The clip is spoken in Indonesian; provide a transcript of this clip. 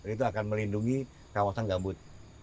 itu akan melindungi kawasan gambut